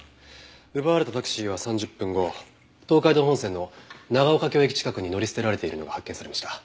奪われたタクシーは３０分後東海道本線の長岡京駅近くに乗り捨てられているのが発見されました。